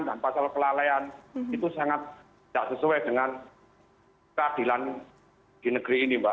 dan pasal kelalaian itu sangat tidak sesuai dengan keadilan di negeri ini mbak